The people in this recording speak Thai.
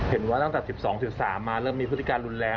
เห็นว่าตั้งแต่๑๒๑๓มาเริ่มมีพฤติการรุนแรง